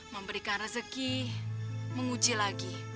memberikan rezeki menguji lagi